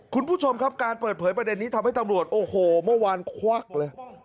คุณผู้ชมครับการเปิดเผยประเด็นนี้ทำให้ตำรวจโอ้โหเมื่อวานควักเลย